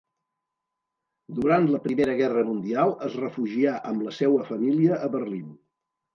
Durant la Primera Guerra mundial es refugià amb la seua família a Berlín.